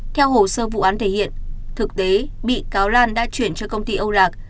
theo hồ sơ vụ án thể hiện thực tế bị cáo lan đã chuyển cho công ty âu lạc